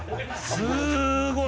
すごい！